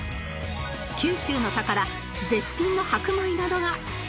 九州の宝絶品の白米などが勢ぞろい